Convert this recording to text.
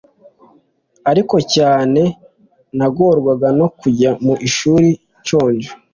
ariko cyane nagorwaga no kujya mu ishuri nshonje